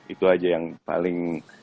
itu aja yang paling